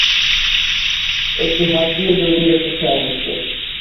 একটি হাত দিয়ে জড়িয়ে রেখেছে আনিসকে।